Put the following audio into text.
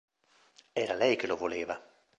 Era lei che lo voleva!